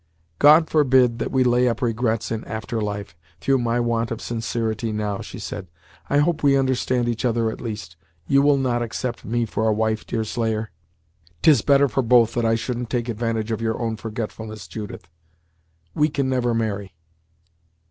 "God forbid that we lay up regrets, in after life, through my want of sincerity now," she said. "I hope we understand each other, at least. You will not accept me for a wife, Deerslayer?" "'Tis better for both that I shouldn't take advantage of your own forgetfulness, Judith. We can never marry."